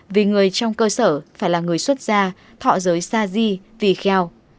vì người trong cơ sở phải là người xuất ra thọ giới xa di vì kheo